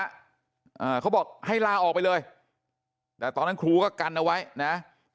อ่าเขาบอกให้ลาออกไปเลยแต่ตอนนั้นครูก็กันเอาไว้นะ